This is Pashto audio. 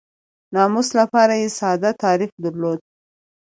ناموس لپاره یې ساده تعریف درلود.